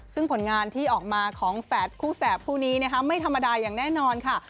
ซึ่งผลงานที่ออกมาของแฝดคู่แสบคู่นี้ไม่ธรรมดาอย่างแน่นอนค่ะ